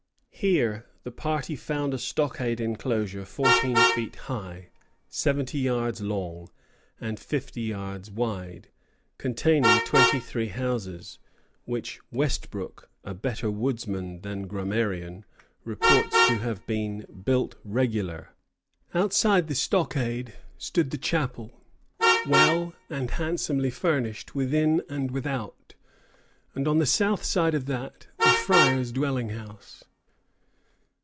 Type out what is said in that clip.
Here the party found a stockade enclosure fourteen feet high, seventy yards long, and fifty yards wide, containing twenty three houses, which Westbrook, a better woodsman than grammarian, reports to have been "built regular." Outside the stockade stood the chapel, "well and handsomely furnished within and without, and on the south side of that the Fryer's dwelling house."